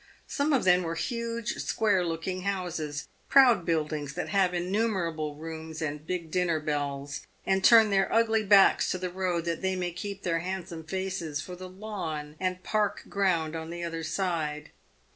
Some of them were huge square looking houses, proud buildings that have innumerable rooms and big dinner bells, and turn their ugly backs to the road that they may keep their handsome faces for the lawn and park ground on the other side.